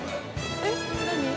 ◆えっ、何？